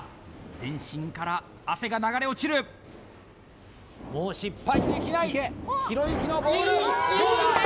全身から汗が流れ落ちるもう失敗できないひろゆきのボールどうだ？